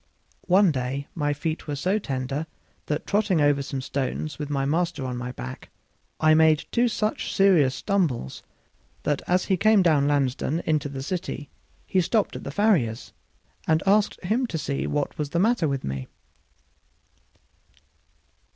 One day my feet were so tender that, trotting over some fresh stones with my master on my back, I made two such serious stumbles that, as he came down Lansdown into the city, he stopped at the farrier's, and asked him to see what was the matter with me.